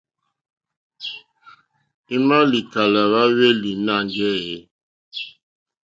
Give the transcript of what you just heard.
I ma likala hwa hweli nangɛ eeh?